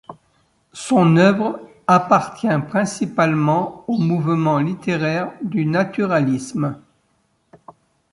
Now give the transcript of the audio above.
Son œuvre appartient principalement au mouvement littéraire du naturalisme.